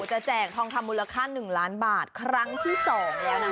แจกทองคำมูลค่า๑ล้านบาทครั้งที่๒แล้วนะ